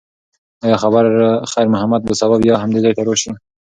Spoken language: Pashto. ایا خیر محمد به سبا بیا همدې ځای ته راشي؟